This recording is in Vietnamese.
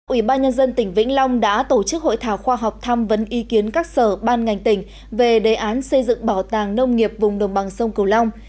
ủy ban nhân dân tỉnh vĩnh long đã tổ chức hội thảo khoa học tham vấn ý kiến các sở ban ngành tỉnh về đề án xây dựng bảo tàng nông nghiệp vùng đồng bằng sông cửu long